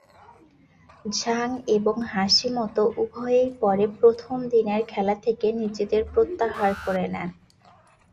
Zhang এবং Hashimoto উভয়েই পরে প্রথম দিনের খেলা থেকে নিজেদের প্রত্যাহার করে নেন।